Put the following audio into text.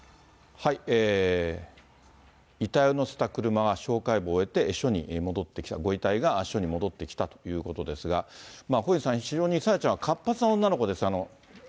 遺体を乗せた車が司法解剖を終えて、署に戻ってきた、ご遺体が署に戻ってきたということですが、小西さん、非常に朝芽ちゃんは活発な女の子です。